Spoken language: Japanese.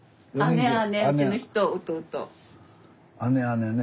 姉姉ね。